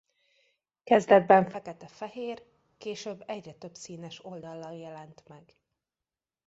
Kezdetben fekete-fehér később egyre több színes oldallal jelent meg.